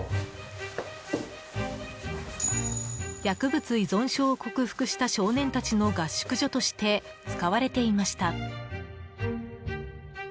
薬物依存症を克服した少年たちの合宿所として使われていました。